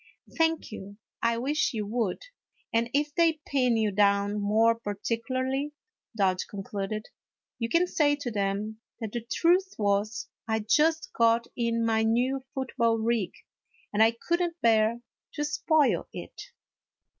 " Thank you, I wish you would ; and if they pin you down more particularly," Dodge concluded, " you can say to them that the truth was I 'd just got in my new football rig, and I could n't bear to spoil it."